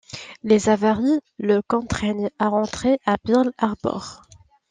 Les avaries le contraignent à rentrer à Pearl Harbor.